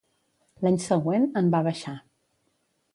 L'any següent, en va baixar.